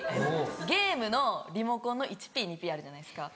ゲームのリモコンの１Ｐ２Ｐあるじゃないですか。